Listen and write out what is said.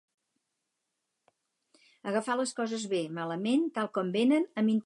Agafar les coses bé, malament, tal com venen, amb interès.